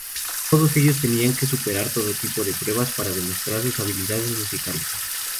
Todos ellos tenían que superar todo tipo de pruebas para demostrar sus habilidades musicales.